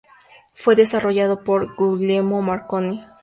Fue desarrollado por Guglielmo Marconi.